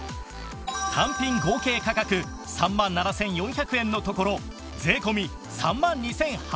単品合計価格３万７４００円のところ税込３万２８００円